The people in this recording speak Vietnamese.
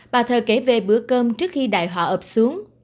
bà thơ kể về bữa cơm trước khi đại họ ập xuống